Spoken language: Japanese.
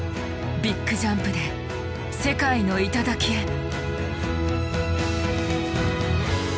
ビッグジャンプで世界の頂へ！